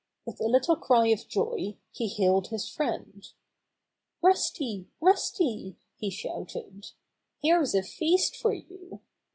With a little cry of joy he hailed his friend. "Rusty! Rusty!" he shouted. "Here's a feast for you